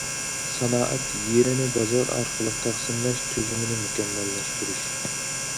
سانائەت يېرىنى بازار ئارقىلىق تەقسىملەش تۈزۈمىنى مۇكەممەللەشتۈرۈش.